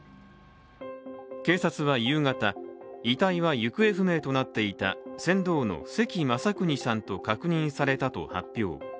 警察は夕方、遺体は行方不明となっていた船頭の関雅有さんと確認されたと発表。